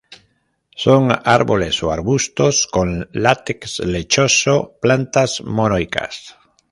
Son árboles o arbustos, con látex lechoso; plantas monoicas.